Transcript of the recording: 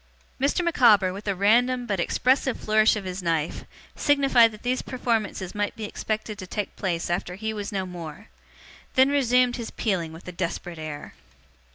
Mr. Micawber, with a random but expressive flourish of his knife, signified that these performances might be expected to take place after he was no more; then resumed his peeling with a desperate air.